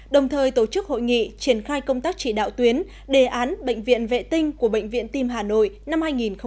đồng thời tổ chức hội nghị triển khai công tác chỉ đạo tuyến đề án bệnh viện vệ tinh của bệnh viện tim hà nội năm hai nghìn hai mươi